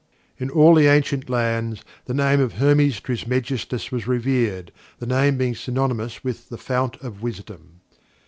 In all the ancient lands, the name of Hermes Trismegistus was revered, the name being synonymous with the "Fount of Wisdom."